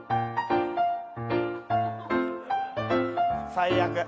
最悪。